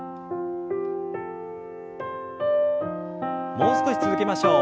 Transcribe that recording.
もう少し続けましょう。